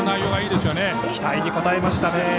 期待に応えましたね。